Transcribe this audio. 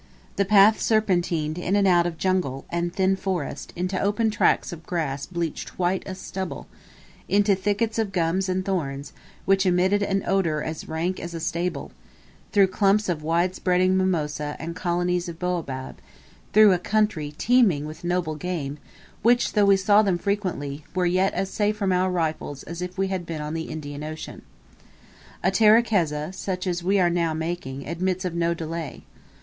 The path serpentined in and out of jungle, and thin forest, into open tracts of grass bleached white as stubble, into thickets of gums and thorns, which emitted an odour as rank as a stable; through clumps of wide spreading mimosa and colonies of baobab, through a country teeming with noble game, which, though we saw them frequently, were yet as safe from our rifles as if we had been on the Indian Ocean. A terekeza, such as we were now making, admits of no delay.